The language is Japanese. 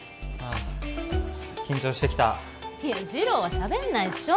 あ緊張してきた次郎はしゃべんないっしょ？